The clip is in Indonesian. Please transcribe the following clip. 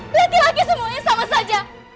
laki laki semuanya sama saja